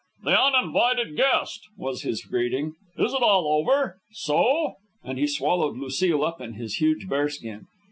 "The uninvited guest," was his greeting. "Is it all over? So?" And he swallowed Lucile up in his huge bearskin.